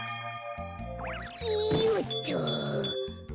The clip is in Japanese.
よっと！